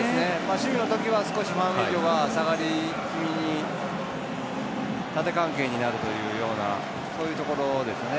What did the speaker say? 守備の時は少しファン・ウィジョが下がり気味に縦関係になるというようなそういうところですね。